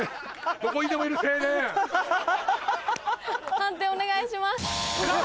判定お願いします。